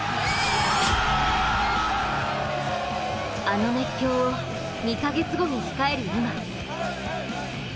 あの熱狂を２か月後に控える今。